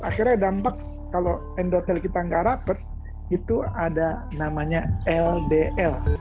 akhirnya dampak kalau endotel kita nggak rapat itu ada namanya ldl